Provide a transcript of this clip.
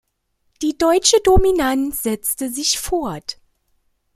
Die deutsche Dominanz setzte sich fort.